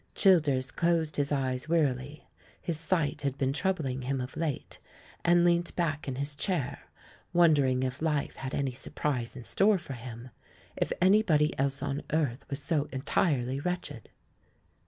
Childers closed his eyes wearily — ^his sight had been troubling him of late — and leant back in his chair, wondering if life had any surprise in store for him — if anybody else on earth was so entirely wretched.